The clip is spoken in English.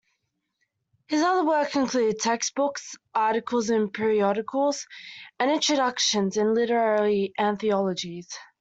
His other work included textbooks, articles in periodicals and introductions in literary anthologies.